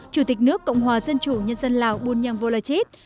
chủ tịch nước cộng hòa dân chủ nhân dân lào bùn nhân vô lạch chít